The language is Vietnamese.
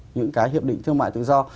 những cái hiệp định thương mại tự do